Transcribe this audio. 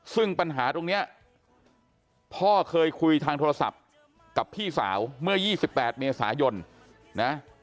ซึ่งปัญหาตรงนี้พ่อเคยคุยทางโทรศัพท์กับพี่สาวเมื่อ๒๘เมษายนนะ